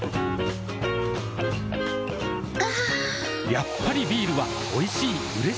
やっぱりビールはおいしい、うれしい。